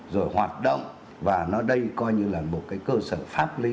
rồi hoạt động và nó đây coi như là một cái cơ sở pháp lý